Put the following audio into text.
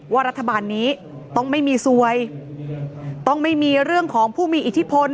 รัฐบาลนี้ต้องไม่มีสวยต้องไม่มีเรื่องของผู้มีอิทธิพล